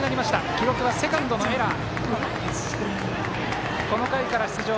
記録はセカンドのエラー。